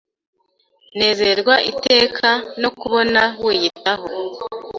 Nezezwa iteka no kukubona wiyitaho